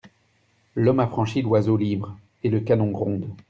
L'homme affranchi, l'oiseau libre.» Et le canon gronde.